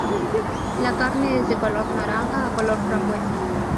La carne es de color naranja a color frambuesa.